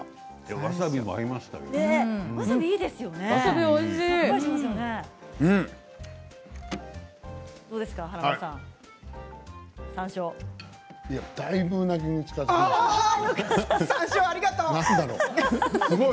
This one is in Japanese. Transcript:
わさびおいしい。